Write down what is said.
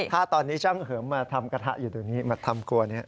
ถ้าตอนนี้ช่างเหิมมาทำกระทะอยู่ตรงนี้มาทำครัวนี้